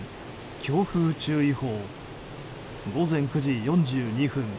強風注意報午前９時４２分